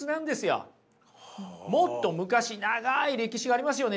もっと昔長い歴史がありますよね